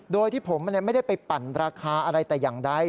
โดยที่ผมไม่ได้ไปปั่นราคาอะไรแต่อย่างใด